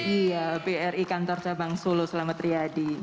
iya bri kantor cabang solo selamat riyadi